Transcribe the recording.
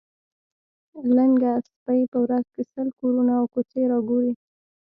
لنګه سپۍ په ورځ کې سل کورونه او کوڅې را ګوري.